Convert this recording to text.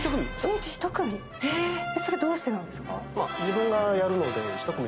１日１組⁉それどうしてなんですか？